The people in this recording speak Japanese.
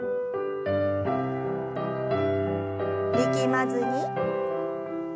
力まずに。